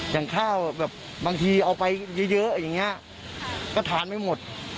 อย่างข้าวแบบบางทีเอาไปเยอะอย่างนี้ก็ทานไม่หมด